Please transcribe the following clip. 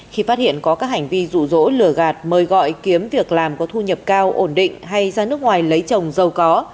khi phát hiện có các hành vi rủ rỗ lửa gạt mời gọi kiếm việc làm có thu nhập cao ổn định hay ra nước ngoài lấy chồng giàu có